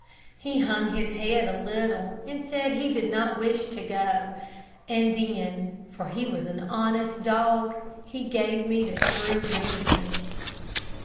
He hung his head a little, and said he did not wish to go, and then, for he was an honest dog, he gave me the true reason.